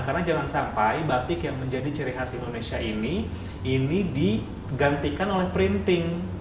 karena jangan sampai batik yang menjadi ciri khas indonesia ini ini digantikan oleh printing